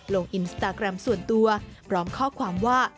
ลงอินสตาแกรมส่วนตัวพร้อมข้อความว่า